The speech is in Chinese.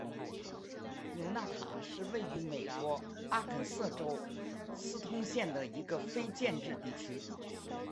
纽纳塔是位于美国阿肯色州斯通县的一个非建制地区。